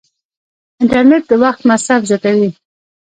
انټرنیټ د وخت مصرف زیاتوي.